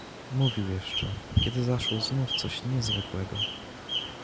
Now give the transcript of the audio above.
"Mówił jeszcze, kiedy zaszło znów coś niezwykłego."